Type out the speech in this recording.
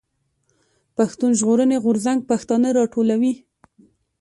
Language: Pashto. پښتون ژغورني غورځنګ پښتانه راټولوي.